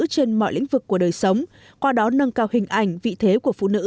trên mọi lĩnh vực của đời sống qua đó nâng cao hình ảnh vị thế của phụ nữ